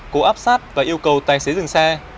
cố áp sát và yêu cầu tài xế dừng xe